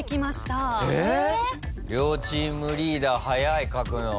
両チームリーダー早い書くの。